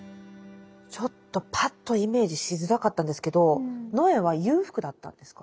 ちょっとぱっとイメージしづらかったんですけど野枝は裕福だったんですか？